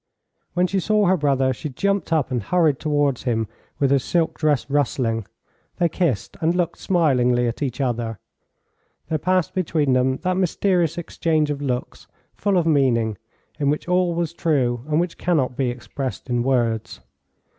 When she saw her brother she jumped up and hurried towards him, with her silk dress rustling. They kissed, and looked smilingly at each other. There passed between them that mysterious exchange of looks, full of meaning, in which all was true, and which cannot be expressed in words.